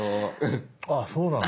あっそうなんだ。